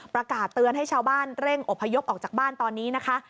ประกาศเตือนให้ชาวบ้านเร่งอบพยพออกจากบ้านตอนนี้นะคะ